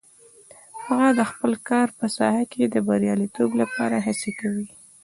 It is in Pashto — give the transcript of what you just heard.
هغه د خپل کار په ساحه کې د بریالیتوب لپاره هڅې کوي